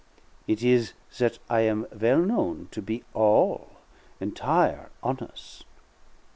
It is that I am well known to be all, entire' hones'.